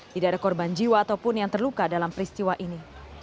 tidak ada korban jiwa ataupun yang terluka dalam peristiwa ini